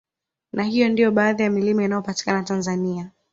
Na hiyo ndiyo baadhi ya milima inayopatikana Tanzania